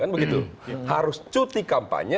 presiden harus cuti kampanye